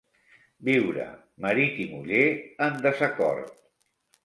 Viure, marit i muller, en desacord.